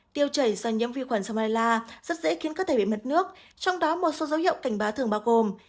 tiêu chảy do nhiễm vi khuẩn samila rất dễ khiến cơ thể bị mất nước trong đó một số dấu hiệu cảnh báo thường bao gồm